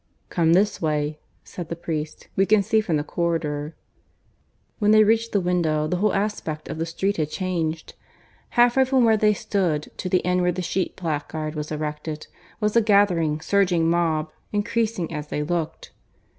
"Come this way," said the priest. "We can see from the corridor." When they reached the window the whole aspect of the street had changed. Half way from where they stood, to the end where the sheet placard was erected, was a gathering, surging mob, increasing as they looked.